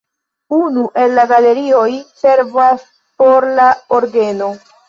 Unu el la galerioj servas por la orgeno.